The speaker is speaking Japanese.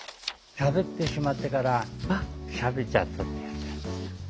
しゃべってしまってから、あっ、しゃべっちゃったって言ったの。